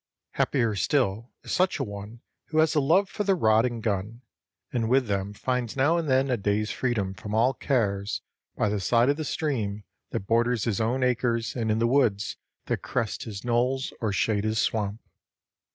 Happier still is such a one who has a love for the rod and gun, and with them finds now and then a day's freedom from all cares by the side of the stream that borders his own acres and in the woods that crest his knolls or shade his swamp.